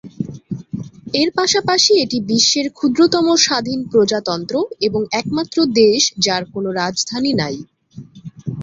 এর পাশাপাশি এটি বিশ্বের ক্ষুদ্রতম স্বাধীন প্রজাতন্ত্র, এবং একমাত্র দেশ যার কোন রাজধানী নাই।